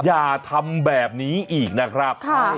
อย่าทำแบบนี้อีกนะครับ